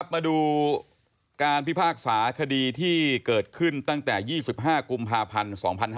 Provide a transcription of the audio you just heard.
มาดูการพิพากษาคดีที่เกิดขึ้นตั้งแต่๒๕กุมภาพันธ์๒๕๕๙